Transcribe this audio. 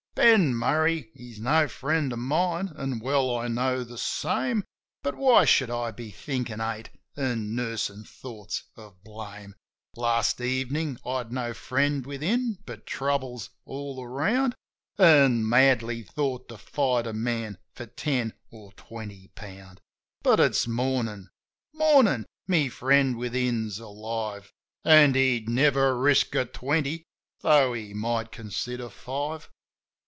Ben Murray, he's no friend of mine, an' well I know the same; But why should I be thinkin' hate, an' nursin' thoughts of blame ? Last evenin' I'd no friend within, but troubles all around, An' madly thought to fight a man for ten or twenty pound. But it's Mornin' ! Mornin' ! my friend within's alive. An' he'd never risk a twenty — tho' he might consider five.